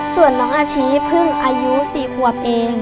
ส่วนน้องอาชีพึ่งอายุสี่หวับเอง